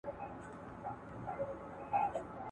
ګلالۍ دسترخوان ټول کړ او د کور په لور رهي شوه.